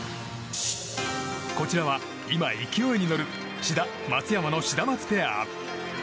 こちらは今勢いに乗る志田、松山のシダマツペア。